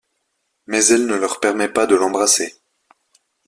Mais elle ne leur permet pas de l'embrasser.